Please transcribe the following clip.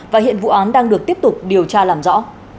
và hiện vụ án đang được tiếp tục điều tra làm rõ